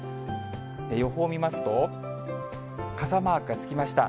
予報を見ますと、傘マークがつきました。